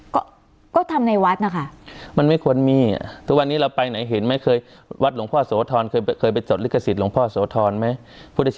ก็ก็ทำในวัดนะคะมันไม่ควรมีอ่ะทุกวันนี้เราไปไหนเห็นไหม